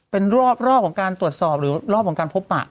เป็นรอบของการตรวจสอบหรือรอบของการพบปะ